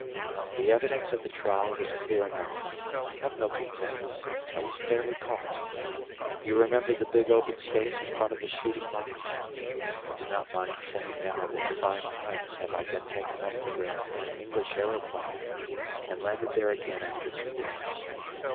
The evidence at the trial was clear enough. I have no complaints. I was fairly caught. You remember the big open space in front of the shooting box? I do not mind saying now that five times have I been taken up from there in an English aeroplane, and landed there again after two days.